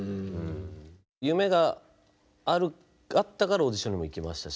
夢があったからオーディションにも行きましたし